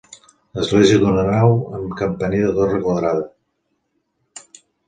Església d'una nau, amb campaner de torre quadrada.